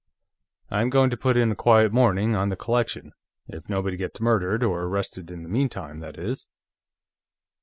"I'm going to put in a quiet morning on the collection. If nobody gets murdered or arrested in the meantime, that is."